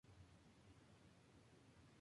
Como la Gilbert Equipment Co.